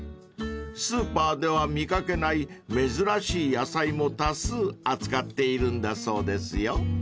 ［スーパーでは見掛けない珍しい野菜も多数扱っているんだそうですよ］